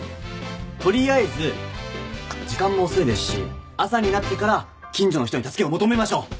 取りあえず時間も遅いですし朝になってから近所の人に助けを求めましょう。